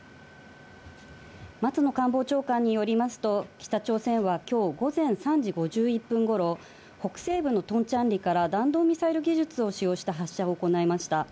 松野官房長官によりますと、北朝鮮はきょう午前３時５０分ごろ、北西部のトンチャンリから弾道ミサイル技術を使用した発射を行いました。